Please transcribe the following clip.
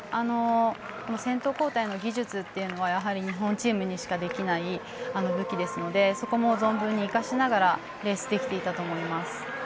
先頭交代の技術というのは日本チームにしかできない武器ですのでそこも存分に生かしながらレースできていたと思います。